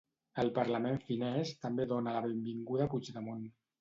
El Parlament finès també dona la benvinguda a Puigdemont.